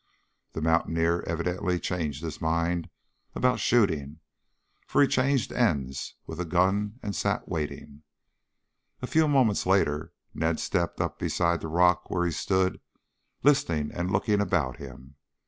The mountaineer evidently changed his mind about shooting, for he changed ends with the gun and sat waiting. A few moments later Ned stepped up beside the rock where he stood listening and looking about him.